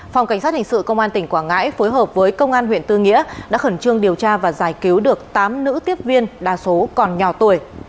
phòng cảnh sát hình sự công an tỉnh quảng ngãi phối hợp với công an huyện tư nghĩa đã khẩn trương điều tra và giải cứu được tám nữ tiếp viên đa số còn nhỏ tuổi